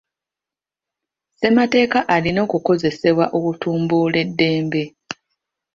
Ssemateeka alina okukozesebwa okutumbula eddembe.